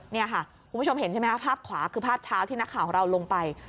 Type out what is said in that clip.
นี่ค่ะคุณผู้ชมเห็นใช่ไหมคะภาพขวาคือภาพเช้าที่นักข่าวของเราลงไป